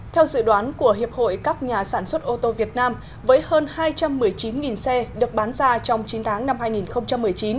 theo dự đoán của hiệp hội các nhà sản xuất ô tô việt nam với hơn hai trăm một mươi chín xe được bán ra trong chín tháng năm hai nghìn một mươi chín